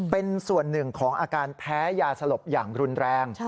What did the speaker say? เป็นส่วนหนึ่งของอาการแพ้ยาสลบอย่างรุนแรง